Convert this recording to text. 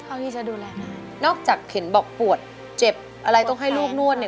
เอางี้จะดูแลได้นอกจากเห็นบอกปวดเจ็บอะไรต้องให้ลูกนวดเนี่ย